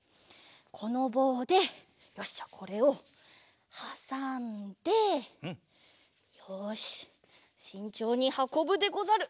このぼうでよしじゃあこれをはさんでよししんちょうにはこぶでござる！